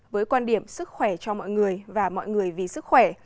với quan điểm sức khỏe cho mọi người và mọi người vì sức khỏe